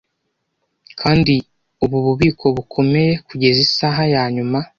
kandi ubu bubiko bukomeye kugeza isaha yanyuma